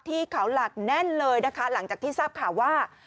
ที่เขาหลักแน่นเลยนะคะหลังจากที่ทราบข่าวว่า